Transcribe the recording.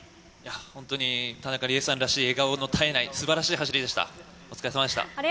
本当に田中理恵さんらしい笑顔の絶えないすばらしい走りでした。